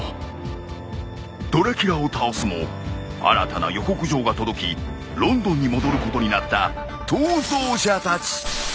［ドラキュラを倒すも新たな予告状が届きロンドンに戻ることになった逃走者たち］